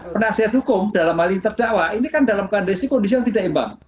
penasihat hukum dalam hal ini terdakwa ini kan dalam kondisi kondisi yang tidak imbang